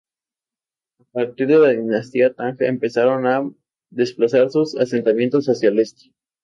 A partir de la dinastía Tang empezaron a desplazar sus asentamientos hacia el este.